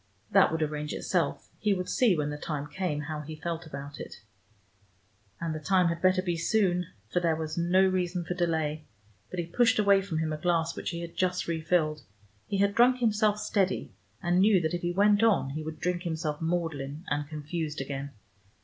That would arrange itself: he would see, when the time came, how he felt about it. And the time had better be soon, for there was no reason for delay. But he pushed away from him a glass which he had just refilled: he had drunk himself steady, and knew that if he went on he would drink himself maudlin and confused again.